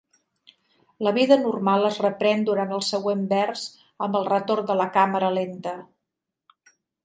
La vida normal es reprèn durant el següent vers amb el retorn de la càmera lenta.